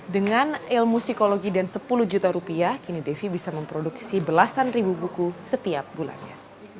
dengan ilmu psikologi dan sepuluh juta rupiah kini devi bisa memproduksi belasan ribu buku setiap bulannya